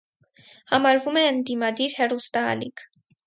Համարվում է ընդդիմադիր հեռուստաալիք։